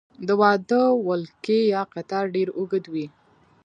د واده ولکۍ یا قطار ډیر اوږد وي.